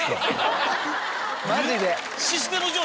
マジで。